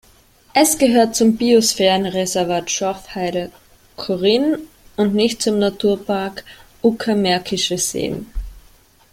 Es gehört zum Biosphärenreservat Schorfheide-Chorin und nicht zum Naturpark Uckermärkische Seen.